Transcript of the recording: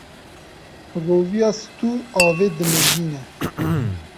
Roviya stûr avê dimijîne.